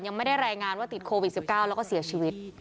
ยังไม่ได้รายงานว่าติดโควิด๑๙แล้วก็เสียชีวิต